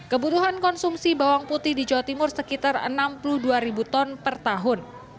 kebutuhan konsumsi bawang putih di jawa timur sekitar enam puluh dua ribu ton per tahun